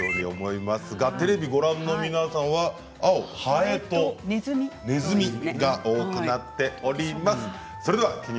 テレビをご覧の皆さんはハエとねずみが多くなっています。